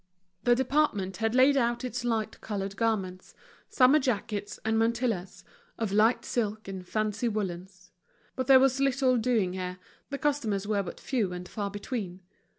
The department had laid out its light colored garments, summer jackets and mantillas, of light silk and fancy woollens. But there was little doing here, the customers were but few and far between.